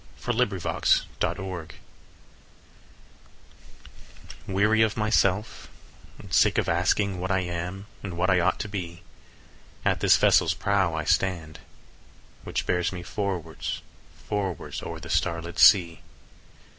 20 SELF DEPENDENCE° Weary of myself, and sick of asking What I am, and what I ought to be, At this vessel's prow I stand, which bears me Forwards, forwards, o'er the starlit sea.